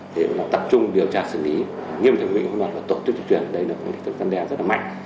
thì tập trung điều tra xử lý nghiêm thẩm mỹ hoặc là tổ chức dân đe rất là mạnh